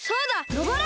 のぼれ